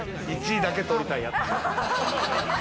１位だけとりたいやつ。